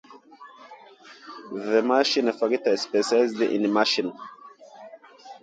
The machine factory specialized in machinery.